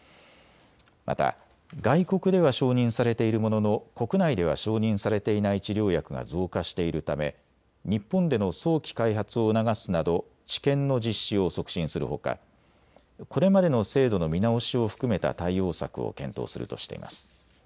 また外国では承認されているものの国内では承認されていない治療薬が増加しているため日本での早期開発を促すなど治験の実施を促進するほか、これまでの制度の見直しを含めた対応策を検討するとしています。